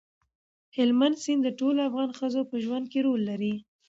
هلمند سیند د ټولو افغان ښځو په ژوند کې رول لري.